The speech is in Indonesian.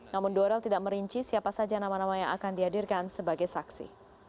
namun dorel tidak merinci siapa saja nama nama yang akan dihadirkan sebagai saksi